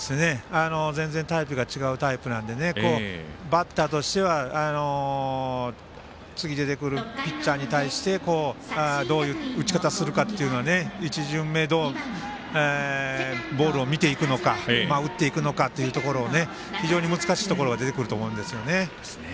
全然、タイプが違うのでバッターとしては次出てくるピッチャーに対してどういう打ち方するかっていうのが１巡目どうボールを見ていくのか打っていくのかというところで非常に難しいところが出てくると思うんですよね。